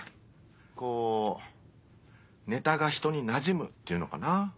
こうネタが人になじむっていうのかな。